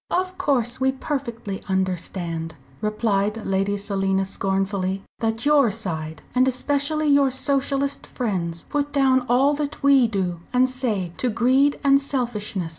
"Of course we perfectly understand," replied Lady Selina, scornfully, "that your side and especially your Socialist friends, put down all that we do and say to greed and selfishness.